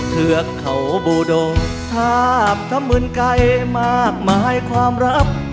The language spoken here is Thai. เทือกเขาบูโดธาปทะเมินไกรมากมายความลับ